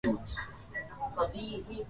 wastani cha mwaka cha chembechembe ndogondogo